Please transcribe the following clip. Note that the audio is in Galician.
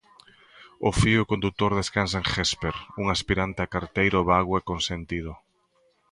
O fío condutor descansa en Jesper, un aspirante a carteiro vago e consentido.